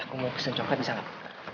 aku mau pesen coklat bisa gak